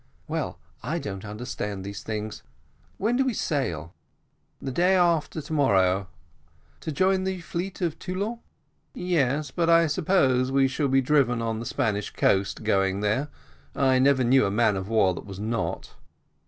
"Well, I don't understand these things. When do we sail?" "The day after to morrow." "To join the fleet off Toulon?" "Yes; but I suppose we shall be driven on the Spanish coast going there. I never knew a man of war that was not."